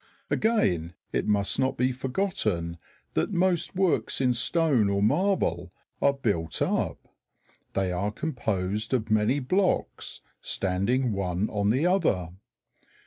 Again, it must not be forgotten that most works in stone or marble are built up. They are composed of many blocks standing one on the other.